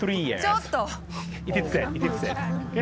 ちょっと！